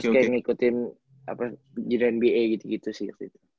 terus kayak ngikutin junior nba gitu gitu sih waktu itu